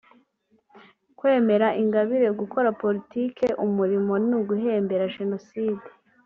Kwemerera Ingabire gukora politike umurimo ni uguhembera Jenoside